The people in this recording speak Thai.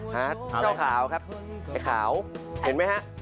ฮะเจ้าขาวครับไอ้ขาวเห็นมั้ยครับ